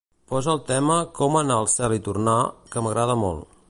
Posa el tema "Com anar al cel i tornar", que m'agrada molt.